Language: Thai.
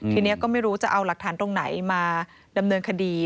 ทีนี้ก็ไม่รู้จะเอาหลักฐานตรงไหนมาดำเนินคดี